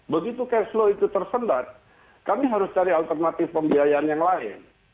begitu cash flow itu tersendat kami harus cari alternatif pembiayaan yang lain